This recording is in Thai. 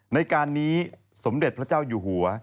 ในการนี้สมเด็จพระเจ้าอยู่หัว